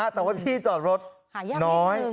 แต่ว่าที่จอดรถน้อย